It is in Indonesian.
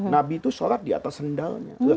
nabi itu sholat di atas sendalnya